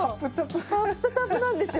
タップタプなんですよ